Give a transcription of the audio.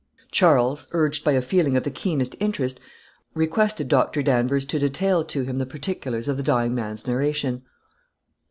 Charles, urged by a feeling of the keenest interest, requested Dr. Danvers to detail to him the particulars of the dying man's narration.